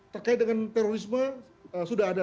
terkait dengan terorisme sudah ada